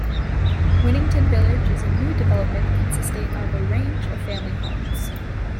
Winnington Village is a new development consisting of a range of family homes.